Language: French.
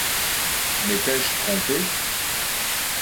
M’étais-je trompé ?